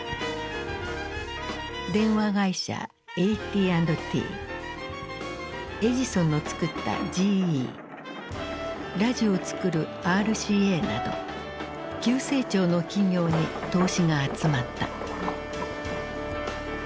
電話会社ＡＴ＆Ｔエジソンの作ったＧＥラジオを作るＲＣＡなど急成長の企業に投資が集まった。